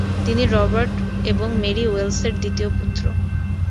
তিনি রবার্ট এবং মেরি ওয়েল্সের দ্বিতীয় পুত্র।